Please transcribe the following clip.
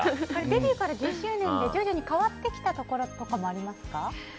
デビューから１０周年で徐々に変わってきたところとかもありますか？